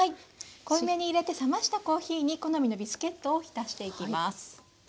濃いめにいれて冷ましたコーヒーに好みのビスケットを浸していきます。